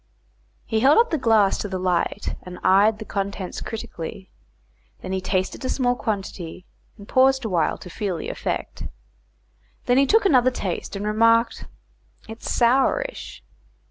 He held up the glass to the light, and eyed the contents critically; then he tasted a small quantity, and paused awhile to feel the effect. He then took another taste, and remarked, "It's sourish."